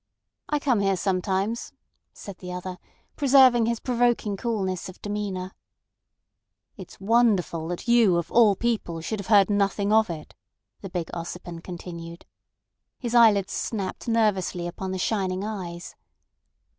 "I come here sometimes," said the other, preserving his provoking coolness of demeanour. "It's wonderful that you of all people should have heard nothing of it," the big Ossipon continued. His eyelids snapped nervously upon the shining eyes.